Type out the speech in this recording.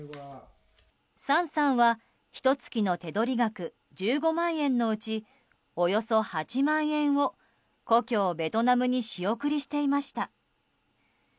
サンさんは、ひと月の手取り額１５万円のうちおよそ８万円を、故郷ベトナムに仕送りしていました。